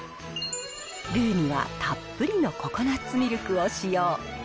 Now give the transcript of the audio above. ルーにはたっぷりのココナッツミルクを使用。